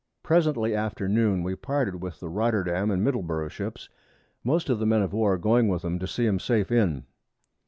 Presently after Noon we parted with the Rotterdam and Middleburgh Ships, most of the Men of War going with 'em to see 'em safe in.